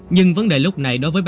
nhưng vấn đề lúc này đối với ba